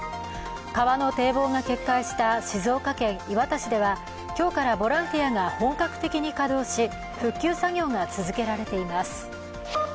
川の堤防が決壊した静岡県磐田市では今日からボランティアが本格的に稼働し復旧作業が続けられています。